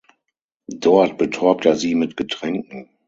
Dort betäubt er sie mit Getränken.